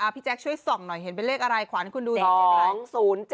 พี่แจ๊คช่วยส่องหน่อยเห็นเป็นเลขอะไรขวัญคุณดูสิ